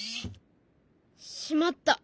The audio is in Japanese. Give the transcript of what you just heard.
しまった。